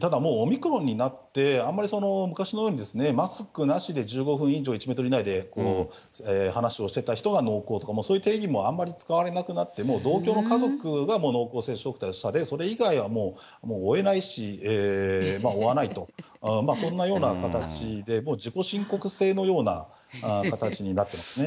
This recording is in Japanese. ただもう、オミクロンになって、あんまり昔のように、マスクなしで１５分以上１メートル以内で話をしてた人が濃厚とか、もうそういう定義はあんまり使われなくなって、もう同居の家族はもう濃厚接触者で、それ以外はもう追えないし、追わないと、そんなような形で、もう自己申告制のような形になってますね。